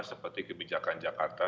seperti kebijakan jakarta